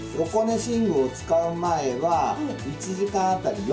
寝具を使う前は１時間あたり４．５回。